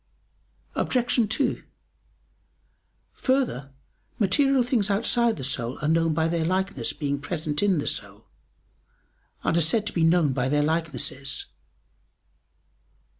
Obj. 2: Further, material things outside the soul are known by their likeness being present in the soul, and are said therefore to be known by their likenesses.